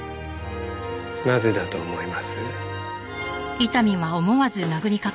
なぜだと思います？